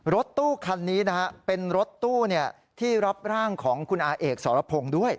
รถตู้คันนี้นะฮะเป็นรถตู้ที่รับร่างของคุณอาเอกสรพงศ์ด้วย